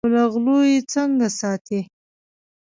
او له غلو یې څنګه ساتې.